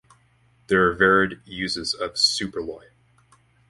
There are varied uses of Superloy.